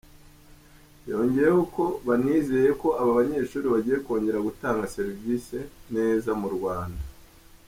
Yongeyeho ko banizeye ko aba banyeshuri bagiye kongera gutanga serivisi neza mu Rwanda.